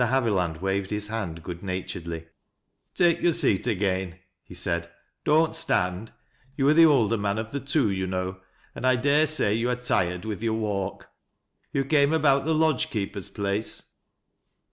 Haviland waved his hand good naturedly. "Take your seat again," he said. "Don't stand. You are the older man of the two, you know, and I dare say you are tired with your walk. You came about the lodge keeper's place